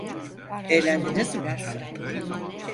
Eğlendiniz mi?